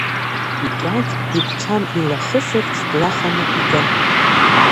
Икьаҿ, игәчам илахысырц, длаханы икын.